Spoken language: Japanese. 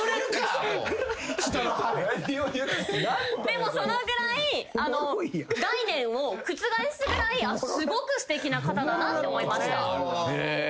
でもそのぐらい概念を覆すぐらいすごくすてきな方だなって思いました。